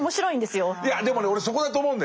いやでもね俺そこだと思うんだよね。